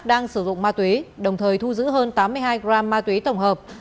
đang sử dụng ma túy đồng thời thu giữ hơn tám mươi hai gram ma túy tổng hợp